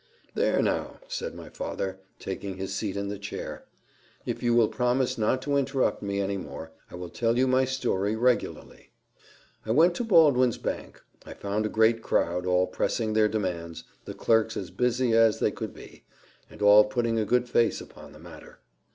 "There, now," said my father, taking his seat in the chair, "if you will promise not to interrupt me any more, I will tell you my story regularly. I went to Baldwin's bank: I found a great crowd, all pressing their demands the clerks as busy as they could be, and all putting a good face upon the matter.